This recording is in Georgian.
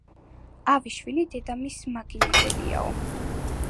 ავი შვილი დედმამისს მაგინებელიაო.